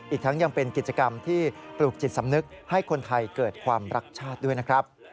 อีกทั้งยังเป็นกิจกรรมที่ปลูกจิตสำนึกให้คนไทยเกิดความรักชาติด้วยนะครับ